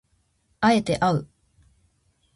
敢えてあう